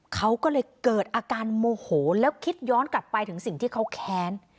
เขาก็เลยเกิดอาการโมโหแล้วคิดย้อนกลับไปถึงสิ่งที่เขาแค้น